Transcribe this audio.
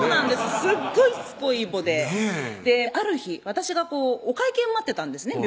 すっごいしつこいイボでねぇある日私がお会計を待ってたんですね